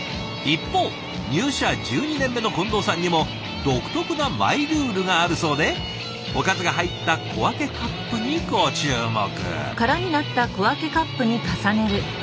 一方入社１２年目の近藤さんにも独特なマイルールがあるそうでおかずが入った小分けカップにご注目。